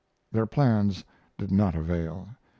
Their plans did not avail.